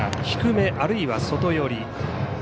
低め、あるいは外寄り。